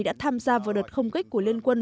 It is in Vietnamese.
đã tham gia vào đợt không kích của liên quân